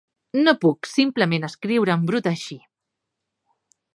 No puc simplement escriure en brut així.